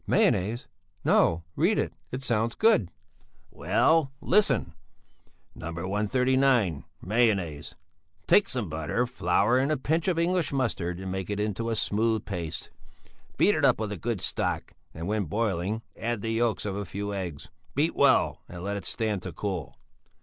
"Mayonnaise? No! Read it! It sounds good!" "Well, listen! No. 139. Mayonnaise: Take some butter, flour, and a pinch of English mustard, and make it into a smooth paste. Beat it up with good stock, and when boiling add the yolks of a few eggs; beat well and let it stand to cool."